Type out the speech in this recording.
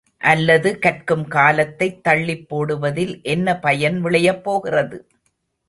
அல்லது கற்கும் காலத்தைத் தள்ளிப் போடுவதில் என்ன பயன் விளையப்போகிறது?